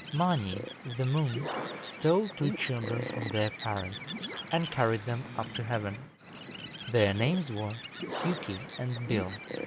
Mâni, the moon, stole two children from their parents, and carried them up to heaven. Their names were Hjuki and Bil.